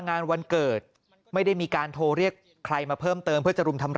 งานวันเกิดไม่ได้มีการโทรเรียกใครมาเพิ่มเติมเพื่อจะรุมทำร้าย